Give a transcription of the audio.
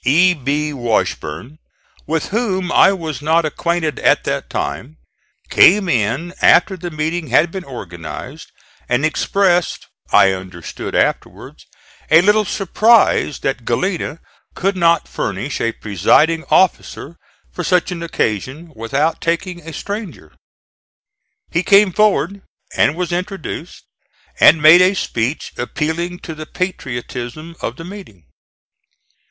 E. B. Washburne, with whom I was not acquainted at that time, came in after the meeting had been organized, and expressed, I understood afterwards, a little surprise that Galena could not furnish a presiding officer for such an occasion without taking a stranger. He came forward and was introduced, and made a speech appealing to the patriotism of the meeting.